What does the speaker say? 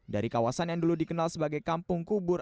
dari kawasan yang dulu dikenal sebagai kampung kubur